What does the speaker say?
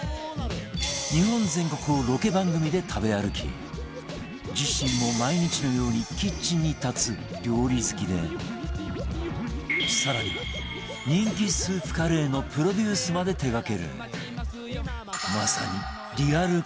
日本全国をロケ番組で食べ歩き自身も毎日のようにキッチンに立つ料理好きで更には人気スープカレーのプロデュースまで手がける